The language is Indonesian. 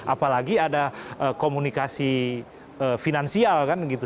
apalagi ada komunikasi finansial kan gitu